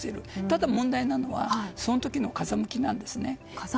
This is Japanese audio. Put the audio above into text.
ただ問題なのはその時の風向きです。